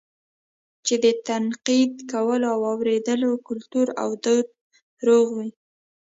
چې د تنقيد کولو او اورېدلو کلتور او دود روغ وي